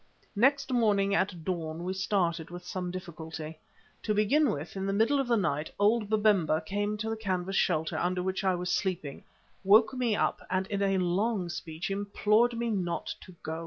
Next morning at dawn we started, with some difficulty. To begin with, in the middle of the night old Babemba came to the canvas shelter under which I was sleeping, woke me up and in a long speech implored me not to go.